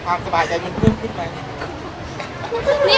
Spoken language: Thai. อย่างพิเศษกว่านั้นเลย